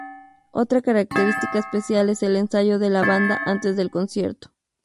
Otra característica especial es el ensayo de la banda antes del concierto.